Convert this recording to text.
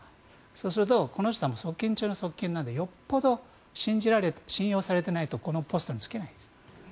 そうするとこの人は側近中の側近なのでよっぽど信用されていないとこのポストに就けないです。